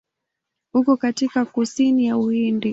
Uko katika kusini ya Uhindi.